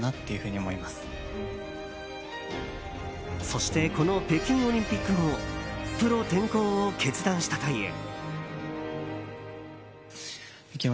そしてこの北京オリンピック後プロ転向を決断したという。